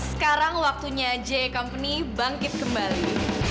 sekarang waktunya j company bangkit kembali